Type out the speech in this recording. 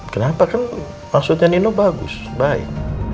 kenapa kan maksudnya nino bagus baik